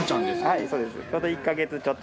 はいそうです。